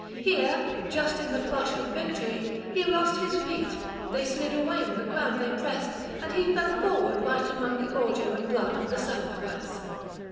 Here, just in the flush of victory, he lost his feet; they slid away on the ground they pressed, and he fell forward right among the ordure and blood of the sacrifice.